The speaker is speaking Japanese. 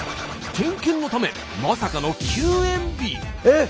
点検のためまさかのえっ？